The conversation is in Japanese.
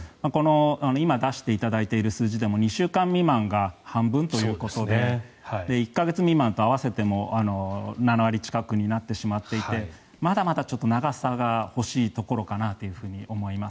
今、出していただいている数字でも２週間未満が半分ということで１か月未満と合わせても７割近くになってしまっていてまだまだ長さが欲しいところかなと思います。